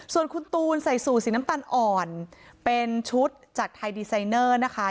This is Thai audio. ส่วนคุณตูนใส่สูตรสีน้ำตาลอ่อนเป็นชุดจากไทยดีไซเนอร์นะคะ